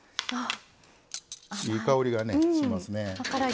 いい香りがしますね。